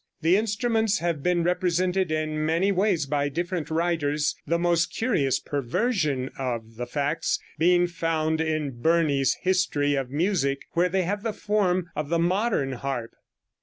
The instruments have been represented in many ways by different writers, the most curious perversion of the facts being found in Burney's "History of Music," where they have the form of the modern harp.